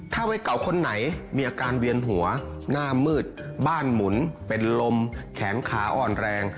ถ้าวัยเก่าคนไหนมีอาการเวียนหัวหน้ามืดบ้านหมุนเป็นลมแขนขาอ่อนแรง